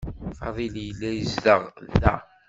Fadil yella yezdeɣ da.